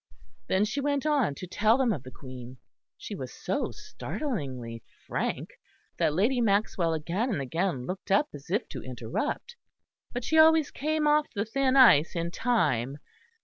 Then she went on to tell them of the Queen. She was so startlingly frank that Lady Maxwell again and again looked up as if to interrupt; but she always came off the thin ice in time.